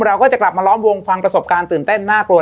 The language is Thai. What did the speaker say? เราก็จะกลับมาล้อมวงฟังประสบการณ์ตื่นเต้นน่ากลัว